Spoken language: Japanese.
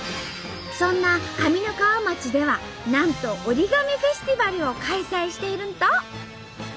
そんな上三川町ではなんとＯＲＩＧＡＭＩフェスティバルを開催しているんと！